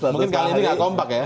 mungkin kali ini tidak kompak ya